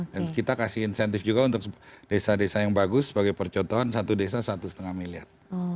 dan kita kasih insentif juga untuk desa desa yang bagus sebagai percontohan satu desa satu lima miliar